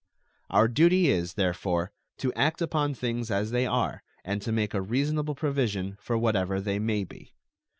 Our duty is, therefore, to act upon things as they are and to make a reasonable provision for whatever they may be.